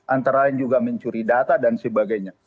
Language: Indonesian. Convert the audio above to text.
antara lain juga mencuri data dan sebagainya